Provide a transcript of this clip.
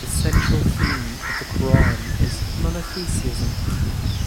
The central theme of the Quran is monotheism.